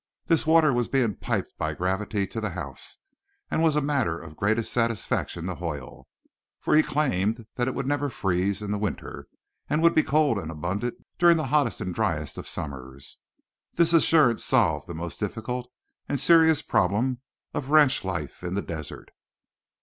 This water was being piped by gravity to the house, and was a matter of greatest satisfaction to Hoyle, for he claimed that it would never freeze in winter, and would be cold and abundant during the hottest and driest of summers. This assurance solved the most difficult and serious problem of ranch life in the desert.